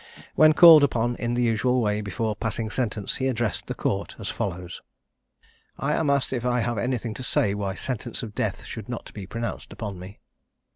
When called upon in the usual way, before passing sentence, he addressed the Court as follows: "I am asked if I have anything to say why sentence of death should not be pronounced upon me.